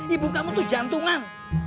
ibu kamu itu jantungan